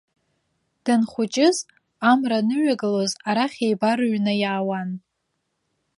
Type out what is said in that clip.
Данхәыҷыз, амра аныҩагылоз арахь еибарыҩны иаауан.